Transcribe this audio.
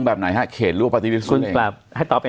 แบบไหนฮะเขตรวปติวิสุ่งเองคุณปราบให้ตอบเป็น